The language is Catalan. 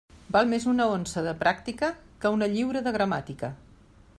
Val més una onça de pràctica que una lliura de gramàtica.